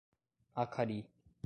Acari